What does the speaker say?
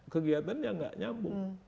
kegiatannya gak nyambung